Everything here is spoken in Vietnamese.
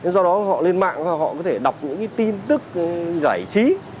do đó họ lên mạng và họ có thể đọc những tin tức giải trí